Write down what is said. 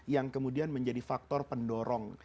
yang kemudian menjadi faktor pendorong